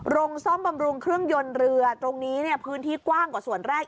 ซ่อมบำรุงเครื่องยนต์เรือตรงนี้เนี่ยพื้นที่กว้างกว่าส่วนแรก